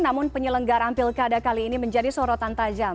namun penyelenggaraan pilkada kali ini menjadi sorotan tajam